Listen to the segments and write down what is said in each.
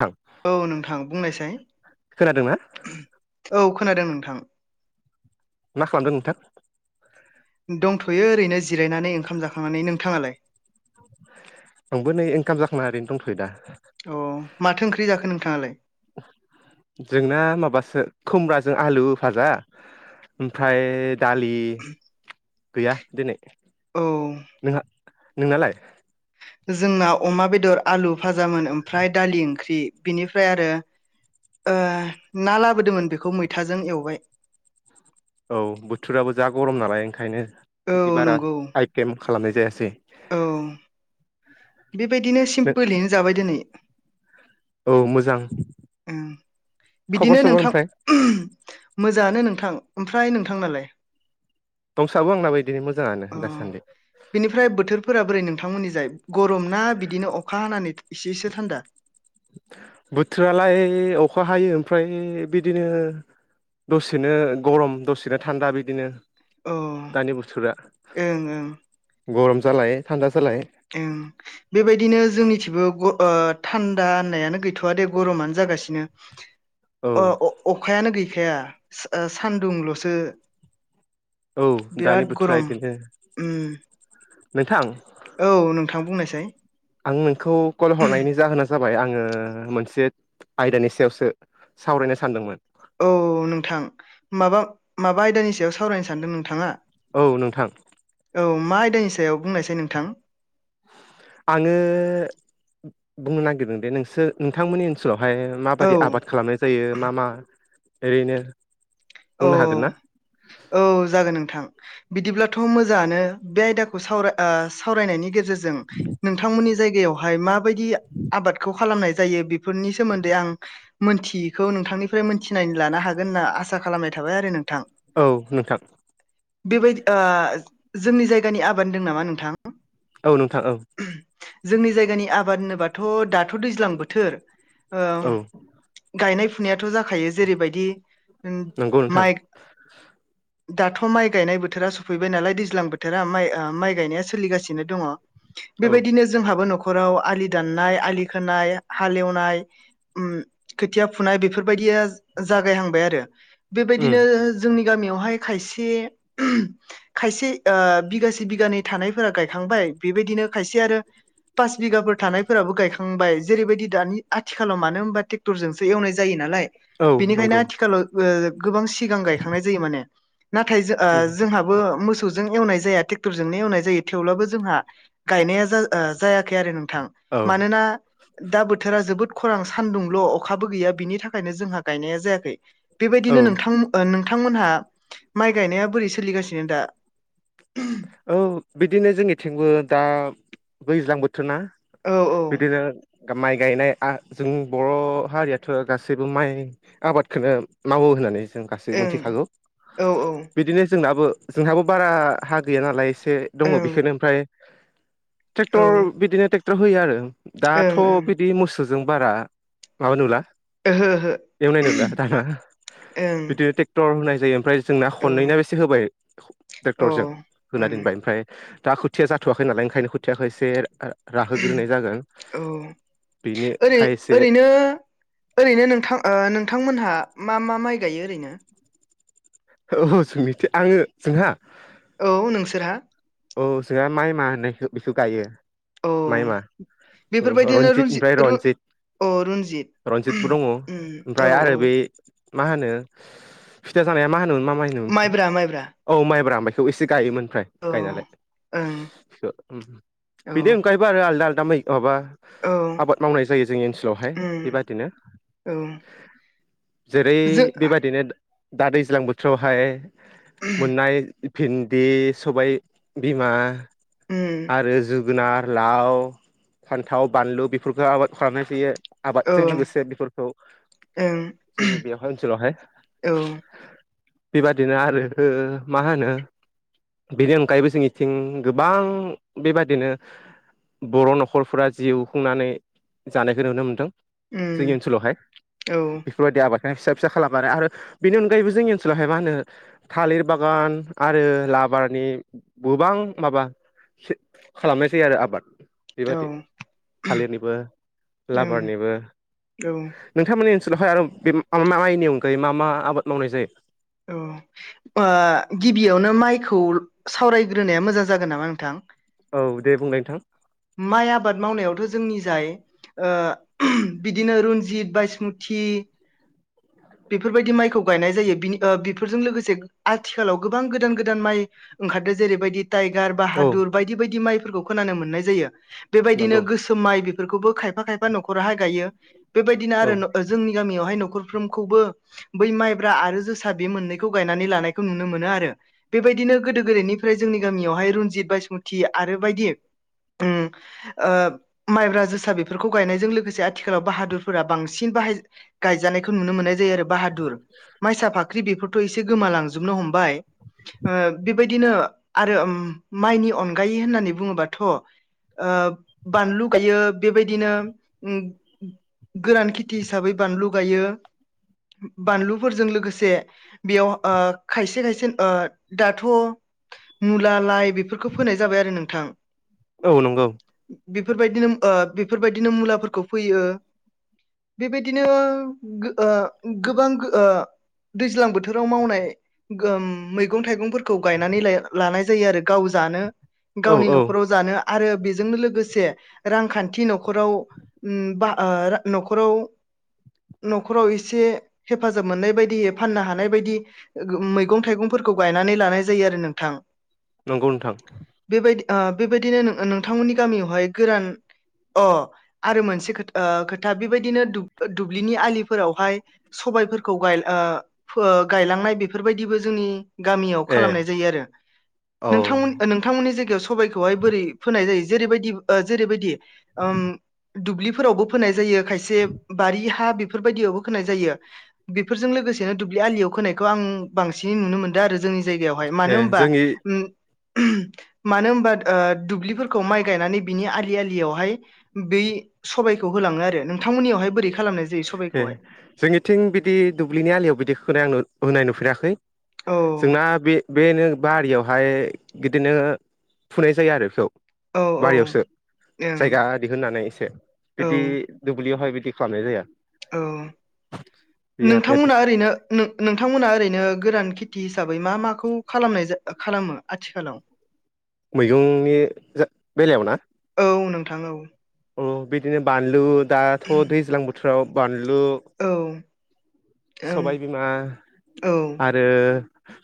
थां औ नोंथां बुंनायसाय खोनादोंना औ खोनादों नोंथां मा खालामदों नोंथां दंथ'यो ओरैनो जिरायनानै ओंखाम जाखांनानै नोंथाङालाय आंबो नै ओंखाम जाखांना ओरैनो दंथ'यो दा अ माथो ओंख्रि जाखो नोंथाङालाय? जोंना माबासो खुमब्राजों आलु भाजा ओमफ्राय दालि गैया दिनै औ नोंहा नोंनालाय? जोंना अमा बेदर आलु भाजामोन ओमफ्राय दालि ओंख्रि बिनिफ्राय आरो ओ ना लाबोदोंमोन बेखौ मैथाजों एवबाय औ बोथोराबो जा गरम नालाय ओंखायनो औ बिदि बारा नंगौ आइटेम खालामनाय जायासै। औ बेबायदिनो नों सिम्पोलैनो जाबाय दिनै औ मोजां ओम खबर बिदिनो सबर नोंथां ओमफ्राय [unintelligible] मोजाङानो नोंथां ओमफ्राय नोंथां नालाय? दंसाबो आंनाबो बिदिनो मोजाङानो अ दासान्दि बिनिफ्राय बोथोरफोरा बोरै नोंथांमोननि जाय? गरमना बिदिनो अखा हानानै इसे इसे थान्दा। बोथोरालाय अखा हायो ओमफ्राय ओय बिदिनो दसेनो गरम दसेनो थान्दा बिदिनो। औ ओं दानि बोथोरा ओं गरम जालाय थान्दा जालाय ओम बेबायदिनो जोंनिथिंबो ग ओ थान्दा होननायानो गैथ'वा दे गरमानो जा गासिनो। औ अ अ-अखायानो गैखाया ओ सानदुंल'सो औ बिराद दानि बोथोरा गरम इदिनो उम नोंथां औ नोंथां बुंनायसाय आं नोंखौ कल हरनायनि जाहोना जाबाय आङो मोनसे आयदानि सायावसो सावरायनो सानदोंमोन औ नोंथां माबा माबा आयदानि सायाव सावरायनो सानदों नोंथाङा औ नोंथां औ मा आयदानि सायाव बुंनायसाय नोंथां आङो बुंनो नागिरदों दे नोंसोर नोंथांमोननि ओनसोलाव हाय औ माबायदि आबाद खालामनाय जायो मा मा ओरैनो औ बुंनो हागोन ना औ जागोन नोंथां बिदिब्लाथ' मोजाङानो बे आयदाखौ सावरा ओ सावरायनायनि गेजेरजों नोंथांमोननि जायग यावहाय माबायदि आबादखौ खालामनाय जायो बेफोरनि सोमोन्दै आं मोनथियैखौ नोंथां निफ्राय मोनथिनायनि लानो हागोन होनना आसा खालामनाय थाबाय आरो नोंथां। औ नोंथां। बेबायदि ओ जोंनि जायगानि आबाद होनदों नामा नोंथां? औ नोंथां औ जोंनि जायगानि आबाद होनोबाथ' दाथ' दैज्लां बोथोर ओ औ गायनाय फुनायाथ' जाखायो जेरैबायदि नंगौ नोंथां माइ दाथ' माइ गायनाय बोथोरा सफैबाय नालाय दैज्लां बोथोरा माइ ओ माइ गायनाया सोलिगासिनो दङ। औ बेबायदिनो जोंहाबो न'ख खराव आलि दाननाय आलि खोनाय हाल एवनाय ओम खोथिया फुनाय बेफोरबायदि यास जागायहांबाय आरो उम बेबायदिनो जोंनि गामियावहाय खायसे खायसे ओ बिगासे बिगानै थानायफोरा गायखांबाय बेबायदिनो खायसे आरो पास बिगाफोर थानायफोराबो गायखांबाय जेरैबायदि दानि आथिखालाव मानो होनबा ट्रेक्टरजोंसो एवनाय जायो नालाय औ बेनिखायनो नंगौ आथिखालाव ओ‌ गोबां सिगां गायखांनाय जायो माने नाथाय जो ओ उम जोंहाबो मोस सौजों एवनाय जाया ट्रेक्टर जोंनो एवनाय जायो थेवब्लाबो जोंहा गायनाया जाय ओ जायाखै आरो नों थां औ मानोना दा बोथोरा जोबोद खरान सानदुंल' अखाबो गैया बिनि थाखायनो जोंहा गायनाया जायाखै औ बेबायदिनो नोंथां ओ नों थांमोनहा माइ गायनाया बोरै सोलिगासिनो दा? औ बिदिनो जोंनिथिंबो दा दैज्लां बोथोर बोथोरना औ औ बिदिनो माइ गायनाय जों बर' हारियाथ' गासैबो माइ आबादखौनो मावो होननानै जों गासैबो ओं मिथिखागौ औ औ बिदिनो जोंनाबो जोंहाबो बारा हा गैया नालाय एसे दङ ओं बेखौनो ओमफ्राय औ ट्रेक्टर ओं बिदिनो ट्रेक्टर होयो आरो दाथ' ओं बिदि मोसौ मोसौजों बारा माबा नुला ओहो एवनाय नुला दाना ओहो ओं बिदिनो ट्रेक्टर होनाय जायो ओमफ्राय जोंना औ खननैना बेसे होबाय औ ट्रेक्टरजों होना ओं दोनबाय ओमफ्राय दा खुथिया जाथ'वाखै नालाय ओंखायनो खुथियखौ एसे राहोग्रोनाय जागोन औ बेनि ओरै खायसे ओरैनो ओरैनो नोंथां नोंथांमोनहा मा मा माइ गायो ओरैनो? औ जों मिथि आङो जोंहा? औ नोंसोरहा औ जोंहा माइ मा होननायखौ बेखौ गायो औ माइ मा बेफोरबायदिनो रनजि रन्जितमफ्राय रु रन्जित अ रन्जित रन्जितबो दङ उम ओमफ्राय औ औ आरो बे मा होनो फिथा जानाया मा होनोमोन मा माइ होनोमोन बेखौ माइब्रा माइब्रा औ माइब्रा माय बेखौ एसे गायोमोन। औ गाय ओं नालाय औ बिदि ओंखायोबा आरो आलदा आलदा मै माबा औ आबाद मावनाय जायो जोंनि ओनसोलावहाय उम बेबादिनो औ जेरै जो बेबायादिनो दा दैज्लां बोथोरावहाय मोननाय भिन्दि सबाय बिमा उम आरो जोगोनार लाव फान्थाव बानलु बेफोरखौ आबाद खालामनाय जायो। औ आबादजों ओं लोगोसे बेफोरखौ जोंनि बेवहाय ओनसोलावहाय औ उम बेबादिनो आरो मा होनो बेनि अनगायैबो जोंनिथिं गोबां बेबादिनो बर' न'खरफोरा जिउ खुंनानै जानायखौ नुनो मोनदों। जोंनि ओनसोलावहाय औ बेफोरबायदि आबाद फिसा फिसा खालाम आरो बेनि अनायैबो जोंनि ओनसोलावहाय मा होनो थालिर बागान आरो आबादनि गोबां माबा खालामनाय जायो आरो आबाद। औ बेबादि थालिरनिबो ओं लाबारनिबो नोंथांमोननि ओनस़लावहाय आरो बे मा म माइनि अनगायै मा मा आबाद मावनाय जायो? औ गिबियावनो माइखौ सावरायग्रोनाया मोजां जागोन नामा नोंथां? औ दे बुंलाय नोंथां माइ आबाद मावनायावथ' जोंनि जाय बिदिनो रन्जित बासमुति बेफोरबायदि माइखौ गायनाय जायो बिनि बेफोरजों लोगोसे आथिखालाव गोबां गोदान गोदान माइ ओंखारदों जेरैबायदि टाइगार औ बाहादुर बायदि बायदि माइफोरखौ खोनानो मोननाय जायो बेबायदिनो नंगौ गोसोम माइ बो खायफा खायफा न'खराहाय गायो बेबायदिनो औ आरो जोंनि गामियावहाय न'खरफ्रोमखौबो बै मायब्रा आरो मोननैखौ गायनानै लानायखौ नुनो मोनो आरो बेबायदिनो गोदो गोदायनिफ्राय जोंनि गामियावहाय रनजित बाय बासमुथि आरो बायदि उम ओ माइब्रा जोसा बेफोरखौ गायनायजों लोगोसे आथिखालाव बाहादुरफोरा बांसिन गायजानायखौ नुनो मोननाय जायो आरो बाहादुर माइसा फ ओंख्रि बेफोरथ' एसे गोमालांजोबनो हमबाय। बेबायदिनो आरो माइनि अनगायै होननानै बुङोबाथ' ओ बानलु गायो बेबायदिनो ओ गोरान खेथि हिसाबै बानलु गायो बानलुफोरजों लोगोसे बेयाव ओ खायसे खायसे ओ दाथ' मुला लाइ बेफोरखौ फोनाय जाबाय आरो नोंथां। औ नंगौ। बेफोरबायदिनो ओ बेफोरबायदिनो मुलाफोरखौ फैयो। बेबायदिनो गो ओ गोबां गो ओ दैज्लां बोथोराव मावनाय गोम मैगं थाइगंफोरखौ गायनानै लाय लानाय जायो आरो गाव जानो। औ गावनि औ न'खराव जानो। आरो बेजोंनो लोगोसे रांखान्थि न'खराव उम बा ओ न'खराव न'खराव एसे हेफाजाब मोननाय बायदियै फाननो हानाय बायदि उम मैगं थाइगंफोरखौ गायनानै लानाय जायो आरो नोंथां। नंगौ नोंथां। बेबायदि ओ बेबायदिनो नोंथांमोननि गामियावहाय गोरान अ आरो मोनसे ओ खोथा बेबायदिनो दुब्लिनि आलिफोरावहाय सबायफोरखौ गाय ओ फो गायलांनाय बेफोरबायदिबो जोंनि गामियाव ए खालामनाय जायो आरो औ नोंथांमोन नोंथांमोननि जायगायाव सबाइखौहाय बोरै फोनाय जायो? जेरैबायदि ओ जेरैबायदि ओम दुब्लिफोरावबो फोनाय जायो। खायसे बारि हा बेफोरबायदियावबो खोनाय जायो बेफोरजों लोगोसे -नो दुब्लि आलियाव खोनायखौ आं बांसिन नुनो मोनदों आरो जोंनि जायगायावहाय मानो ए होमबा जोंनि उम। उहुम। मानो होनबा ओ दुब्लिफोरखौ माइ गायनानै बिनि आलि आलियावहाय बै सबाइखौ होलाङो आरो नोंथांमोननियावहाय बोरै खालामनाय जायो ए सबायखौहाय जोंनिथिं बिदि दुब्लिनि आलियाव बिदि खोनाय आं होनाय नुफेराखै। औ जोंना बे बेनो। बारियावहाय बिदिनो फुनाय जायो आरो खौ। औ बारियावसो ओं जायगा दिहुननानै एसे औ बिदि दुब्लियावहाय बिद सारनाय जाया। औ बे नोंथांमोना ओरैनो नो नोंथांमोना ओरैनो गोरान खिथ -थि हिसाबै मा माखौ खालामनाय जा खालामो आथिखालाव। मैगंनि जा बेलायाव ना? औ नोंथां औ। अ बिदिनो बानलु दाथ' दैज्लां बोथोराव बानल औ। ओं सबायबिमा औ आरो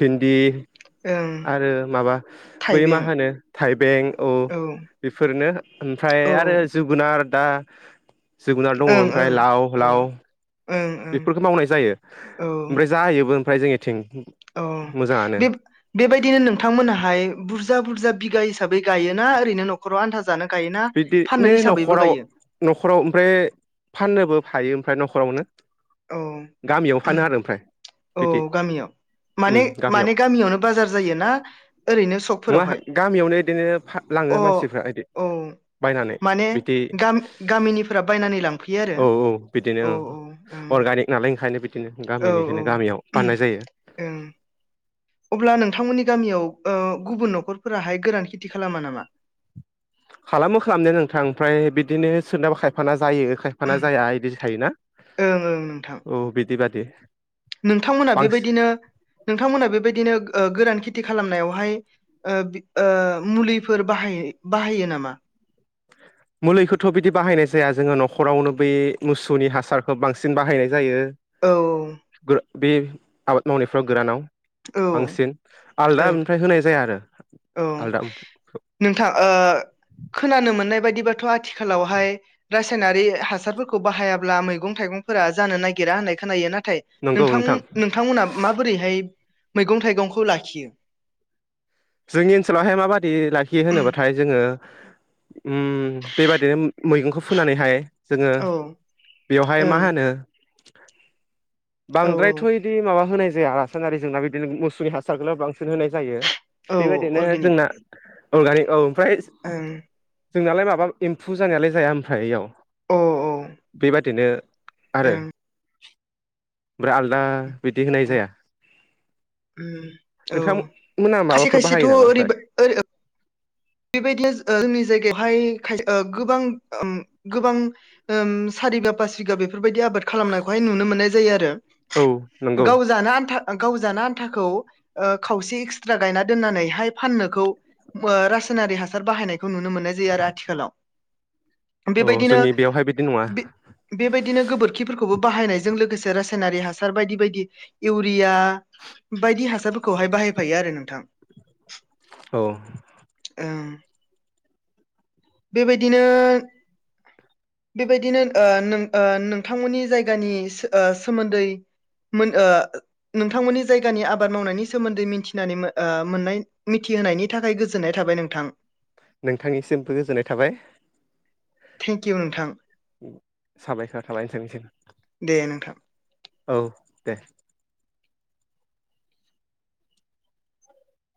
फिन्दि। ओं आरो माबा बै मा थाइबें होनो थाइबें औ। बेफोरनो ओमफ्राय औ आरो जोगोनार। दा जोगोनार दङ ओं ओमफ्राय ओं लाव लाव। औ ओं ओं बेफोरखौ मावनाय जायो औ ओमफ्राय जायोबो ओमफ्राय जोंनिथिं। औ मोजाङानो बे बेबायदिनो नोंथांमोनाहाय बुस बुरजा बुरजा बिगा हिसाबै गायोना ओरैनो नख'राव आन्था जानो? गायोना फाननो बिदिनो हिसाबैबो न'खराव गायो न'खराव ओमफ्राय फाननोबो फायो ओमफ्राय न'खरावनो। औ गामियाव फानो आरो ओमफ्राय। औ बिदि गामियाव उम माने गामियाव माने गामियावनो बाजार जायो ना? ओरैनो नङा सकफोरावहाय गामियावनो बिदिनो अ लाङो मानसिफ्रा बिदि औ। बायनानै माने बिदि गाम-गामिनिफोरा बायनानै लांफैयो आरो औ औ बिदिनो औ औ उम। अर्गानिक नालाय ओंखायनो बिदिनो गामिनिखौनो गामियाव फाननाय जायो। ओं अब्ला नोंथांमोननि गामियाव ओ गुबुन न'खरफोराहाय गोरान खेथि खालामा नामा? खालामो खालामनाया नोंथां फ्राय बिदिनो सोरनाबा खायफाना जायो खायफाना जाया इदि थायोना ओं ओं नोंथां औ बिदि बादि। नोंथांमोना बांसिन बेबायदिनो नोंथांमोना बेबायदिनो गो ओ गोरान खेथि खालामनायावहाय ओ ओ मुलिफोर बाह बाहायो नामा? [inaudible] मुलिखौथ' बिदि बाहायनाय जाया जोङो न'खरावनो बै मुसौनि हासारखौ बांसिन बाहायनाय जायो औ गोर बे आबाद मावनायफ्राव गोरानाव औ बांसिन आलदा औ निफ्राय होनाय जाया आरो औ आलदा नोंथां। खोनानो मोननाय बायदिबाथ' आथिखालावहाय रासायनारि हासारफोरखौ बाहायाब्ला मैगं थाइ थंफोरा जानो नागिरा होननाय खोनायो ना नंगौ नों नोंथां नोंथांमोना माबोरैहाय मैगं थाइगंखौ लाखियो जोंनि ओनसोलावहाय माबादि लाखियो होनोबाथाय जोङो बेबादिनो मैगंखौ फुनानैहाय जोङो औ बेवहाय मा ओं होनो औ बांद्रायथ' बिदि माबा होनाय जाय जोंहा रासनारि जोंना बिदिनो मोसौनि हासारखौनो बांसिन होनाय जायो औ बेबायदिनो जोंना नलगारि ओम। ओ जोंनालाय माबा एम्फौ जानायालाय जाया ओमफ्राययाव अ औ बेबादिनो आरो ओं ओमफ्राय आलदा बिदि होनाय जाया औ नोंथां मोना खायसे माबाफोर खायसेथ' बाहायो नामा ओरै ओमफ्राय ओै बेबायदिनो ओ जोंनि जायगायावहायाय खाय ओ गोबां ओम गोबां ओम सा सारिबा पास बिगा बेफोरबायदि आबाद खालामनायखौहाय नुनो मोननाय जायो आरो। औ नंगौ। गाव जानो आन्था गाव जाना आन्थाखौ खावसे एक्सट्रा गायना दोननानैहाय फाननोखौ सोनारि हासार बाहायनायखौ नुनो मोननाय जायो आरो आथिखालाव औ बेबायदिनो जोंनि बेयावहाय बिदि नङा बेबायदिनो गोबोरखिफोरखौ खौबो बाहायनायजों लोगोसे इउरिया बायदि बायदि हासार फसाफोरखौहाय बाहायफायो आरो नोंथां औ उम बेबायदिनो बेबायदिनो नों नोंथांमोननि जायगानि सोमोन्दै नोंथांमोननि जायगानि आबाद मावनायनि सोमोन्दै मिथिनानै मोननाय होनायनि थाखाय गोजोननाय थाबाय नोंथां नोंथांनिसिमबो गोजोननाय थाबाय थेंक इउ नोंथां साबायखर थाबाय नोंथांनिसिम दे नोंथां औ दे